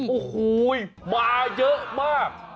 โอ้โหมาเยอะมาก